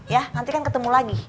ya nanti kan ketemu lagi